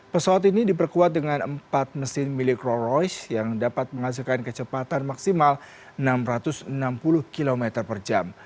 pesawat ini diperkuat dengan empat mesin milik roll royce yang dapat menghasilkan kecepatan maksimal enam ratus enam puluh km per jam